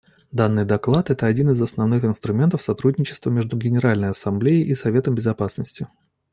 Данный доклад — это один из основных инструментов сотрудничества между Генеральной Ассамблеей и Советом Безопасности.